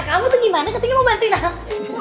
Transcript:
kamu tuh gimana ketika mau bantuin aku